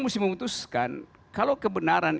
harus memutuskan kalau kebenaran